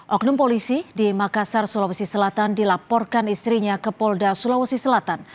oknum polisi di makassar sulawesi selatan dilaporkan istrinya ke polda sulawesi selatan